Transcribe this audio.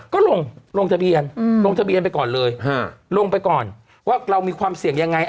ก็ลงลงทะเบียนลงทะเบียนไปก่อนเลยลงไปก่อนว่าเรามีความเสี่ยงยังไง